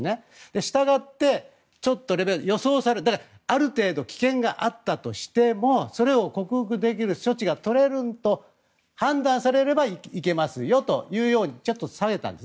したがって、ちょっとレベルある程度危険が予想されるとしてもそれを克服できる措置が取れると判断されれば行けますよとちょっと下げたんです。